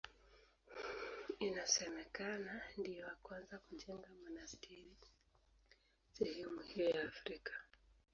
Inasemekana ndiye wa kwanza kujenga monasteri sehemu hiyo ya Afrika.